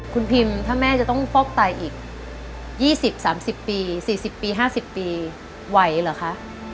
คุณพิมถ้าแม่จะต้องฟอกไตอีก๒๐๓๐ปี๔๐ปี๕๐ปีไหวเหรอคะ